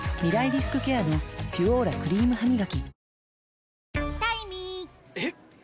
リスクケアの「ピュオーラ」クリームハミガキ